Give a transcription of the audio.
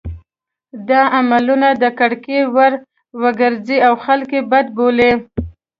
دا عملونه د کرکې وړ وګرځي او خلک یې بد بولي.